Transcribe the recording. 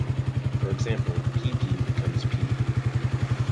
For example, "pee-pee" becomes "pee".